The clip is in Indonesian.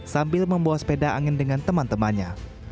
sambil membawa sepeda angin dengan teman temannya